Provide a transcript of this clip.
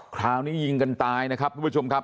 คราวนี้ยิงกันตายนะครับทุกผู้ชมครับ